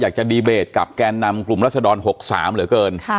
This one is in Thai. อยากจะดีเบตกับแกนนำกลุ่มรัศดร๖๓เหลือเกิน